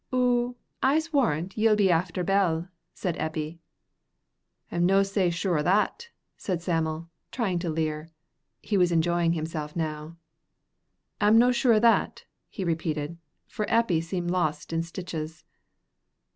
"Ou, I'se warrant ye'll be after Bell," said Eppie. "Am no sae sure o' that," said Sam'l, trying to leer. He was enjoying himself now. "Am no sure o' that," he repeated, for Eppie seemed lost in stitches.